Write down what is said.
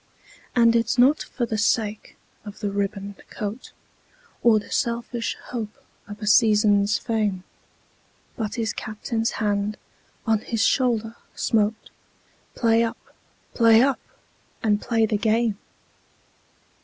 And it's not for the sake of a ribboned coat, Or the selfish hope of a season's fame, But his Captain's hand on his shoulder smote "Play up! play up! and play the game!"